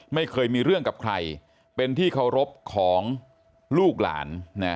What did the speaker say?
ไม่เคยมีเรื่องกับใครเป็นที่เคารพของลูกหลาน